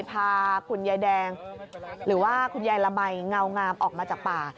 พาคุณยายแดงหรือว่าคุณยายละมัยเงางามออกมาจากป่า